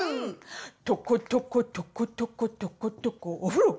とことことことことことこお風呂！